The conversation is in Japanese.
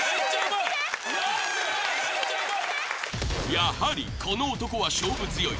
やはりこの男は勝負強い。